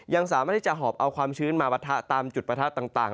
ยังสามารถที่จะหอบเอาความชื้นมาปะทะตามจุดประทะต่าง